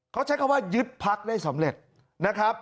เขาใช้คำว่ายึดพักได้สำเร็จนะครับ